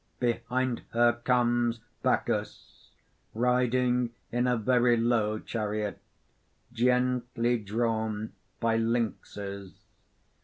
_ _Behind her comes Bacchus, riding in a very low chariot, gently drawn by lynxes.